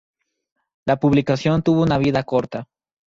La publicación tuvo una vida corta.